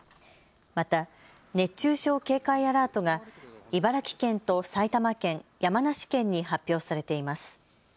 また、熱中症警戒アラートが茨城県と埼玉県、山梨県に発表されています。